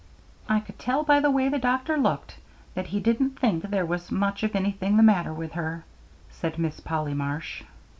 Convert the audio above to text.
"I could tell by the way the doctor looked that he didn't think there was much of anything the matter with her," said Miss Polly Marsh.